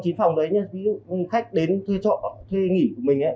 trong chín phòng đấy khi khách đến thuê nghỉ của mình